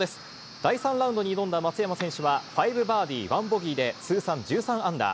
第３ラウンドに挑んだ松山選手は、５バーディー１ボギーで通算１３アンダー。